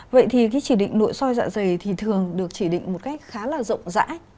vậy thì cái chỉ định nội soi dạ dày thì thường được chỉ định một cách khá là rộng rãi